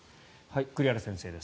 栗原先生です